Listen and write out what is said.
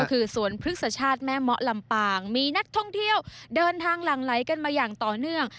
ก็คือสวนพฤกษชาติแม่เมาะลำปางมีนักท่องเที่ยวเดินทางหลั่งไหลกันมาอย่างต่อเนื่อง